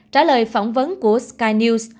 trả lời phỏng vấn của sky news